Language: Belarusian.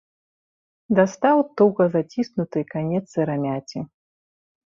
Дастаў туга заціснуты канец сырамяці.